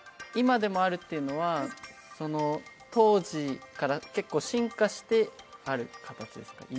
今でもあるっていうのはその当時から結構進化してある形ですか？